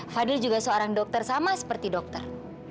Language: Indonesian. fadil juga seorang dokter sama seperti dokter